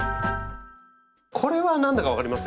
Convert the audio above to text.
これは何だか分かりますよね？